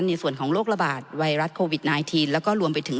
ในส่วนของโรคระบาดไวรัสโควิด๑๙แล้วก็รวมไปถึง